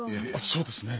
そうですね。